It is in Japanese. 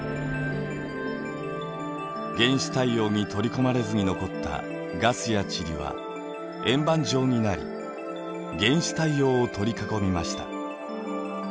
原始太陽に取り込まれずに残ったガスや塵は円盤状になり原始太陽を取り囲みました。